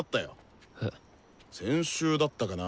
先週だったかな？